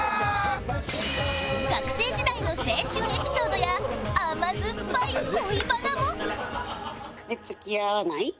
学生時代の青春エピソードや甘酸っぱい恋バナも